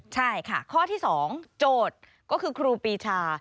ใช่ค่ะข้อที่๒โจทย์ก็คือครูปีชา